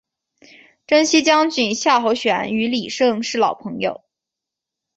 征西将军夏侯玄与李胜是老朋友。